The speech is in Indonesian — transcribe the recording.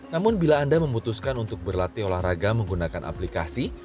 namun bila anda memutuskan untuk berlatih olahraga menggunakan aplikasi